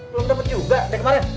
belum dapat juga dari kemarin